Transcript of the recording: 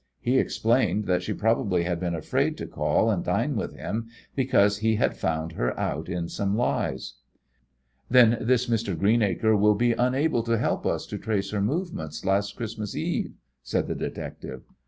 He explained that she probably had been afraid to call and dine with him because he had found her out in some lies." "Then this Mr. Greenacre will be unable to help us to trace her movements last Christmas Eve?" said the detective.